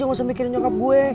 gak usah mikirin nyokap gue